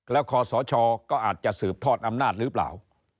แล้วคอสชก็อาจจะสืบทอดอำนาจหรือเปล่า